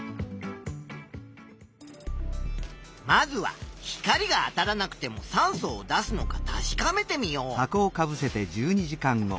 まずは光があたらなくても酸素を出すのか確かめてみよう。